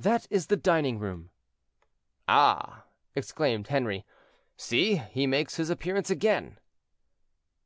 "That is the dining room." "Ah!" exclaimed Henri, "see, he makes his appearance again."